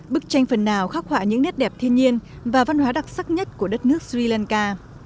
bức tranh phần nào khắc họa những nét đẹp thiên nhiên và văn hóa đặc sắc nhất của đất nước sri lanka